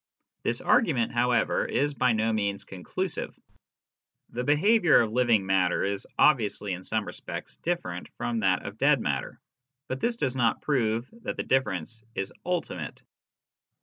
This argument, however, is by no means conclusive. The behaviour of living matter is obviously in some respects different from that of dead matter, but this does not prove that the difference is ultimate.